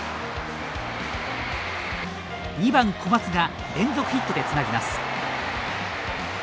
２番小松が連続ヒットでつなぎます。